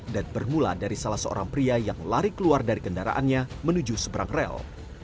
dan bermula dari salah seorang pria yang lari keluar dari kendaraannya menuju seberang rel